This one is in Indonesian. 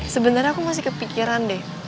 sebenarnya aku masih kepikiran deh